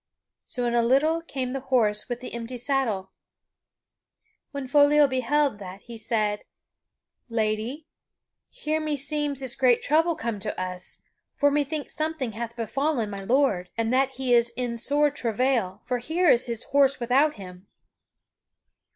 So in a little came the horse with the empty saddle. When Foliot beheld that he said: "Lady, here meseems is great trouble come to us, for methinks something hath befallen my lord, and that he is in sore travail, for here is his horse without him."